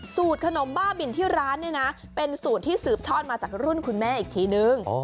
สูตรขนมบ้าบินที่ร้านเนี่ยนะเป็นสูตรที่สืบทอดมาจากรุ่นคุณแม่อีกทีนึง